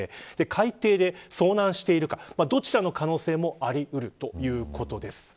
海底で遭難しているか、どちらの可能性もあり得るということです。